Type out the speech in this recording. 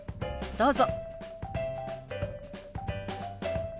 どうぞ。